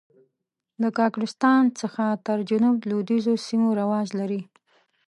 د کاکړستان څخه تر جنوب لوېدیځو سیمو رواج لري.